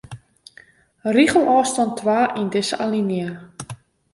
Rigelôfstân twa yn dizze alinea.